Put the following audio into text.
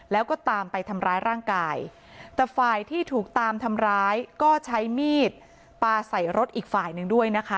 แล้วก็ตามไปทำร้ายร่างกายแต่ฝ่ายที่ถูกตามทำร้ายก็ใช้มีดปลาใส่รถอีกฝ่ายหนึ่งด้วยนะคะ